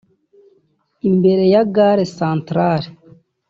imbere ya gare centrale